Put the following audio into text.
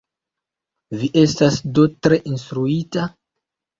Vi estas do tre instruita?